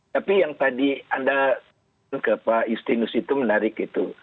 tapi yang tadi anda ke pak justinus itu menarik gitu